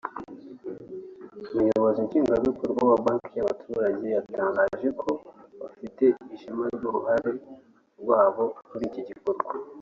umuyobozi nshingwabikorwa wa Banki y’abaturage yatangaje ko bafite ishema ry’uruhare rwabo muri iki gikorwa